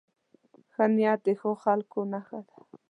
ښه نیت د ښو خلکو نښه ده.